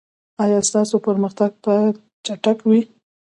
ایا ستاسو پرمختګ به چټک وي؟